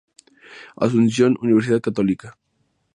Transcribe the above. Asunción: Universidad Católica.